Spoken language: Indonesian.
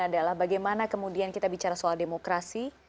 adalah bagaimana kemudian kita bicara soal demokrasi